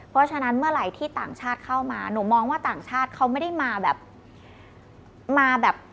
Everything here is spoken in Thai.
เพราะฉะนั้นเมื่อไหร่ที่ต่างชาติเข้ามาหนูมองว่าต่างชาติเขาไม่ได้มาแบบมาแบบ